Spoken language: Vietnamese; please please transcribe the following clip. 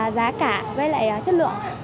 giá cả với lại chất lượng